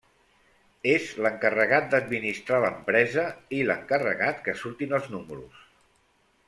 És l'encarregat d'administrar l'empresa i l'encarregat que surtin els números.